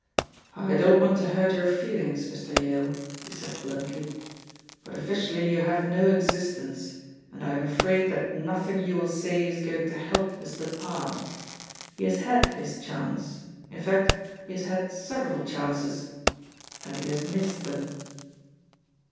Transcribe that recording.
"I don't want to hurt your feelings, Mr. Yale," he said bluntly, "but officially you have no existence, and I am afraid that nothing you will say is going to help Mr. Parr. He has had his chance in fact, he has had several chances, and he has missed them."